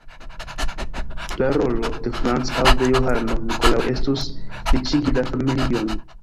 La rolo de Frantz aŭ de Johano-Nikolao estus, riĉigi la familion.